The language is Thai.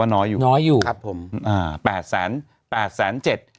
น้อยน้อยอยู่ครับผมคือว่าน้อยอยู่